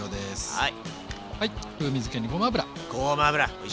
はい。